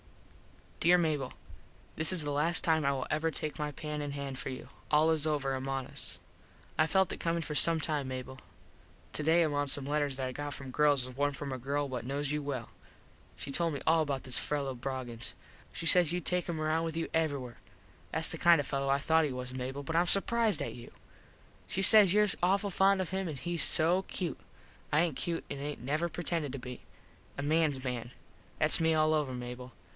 _ Dere Mable: This is the last time I will ever take my pen in hand for you. All is over among us. I felt it comin for some time Mable. Today among some letters that I got from girls was one from a girl what knos you well. She told me all about this fello Broggins. She says you take him around with you everywhere. Thats the kind of a fello I thought he was, Mable, but Im surprized at you. She says your awful fond of him hes so cute. I aint cute an aint never pretended to be. A mans man. Thats me all over, Mable.